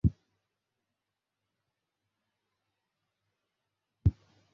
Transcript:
এইরূপ উপাসনাপ্রণালী ভারতের সকল সাধকের মধ্যে প্রচলিত।